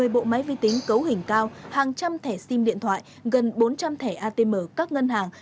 một mươi bộ máy vi tính cấu hình cao hàng trăm thẻ sim điện thoại gần bốn trăm linh thẻ atm các ngân hàng